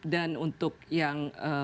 dan untuk yang